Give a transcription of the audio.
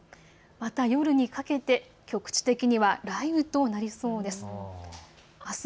また夜にかけて局地的には雷雨となりそうです。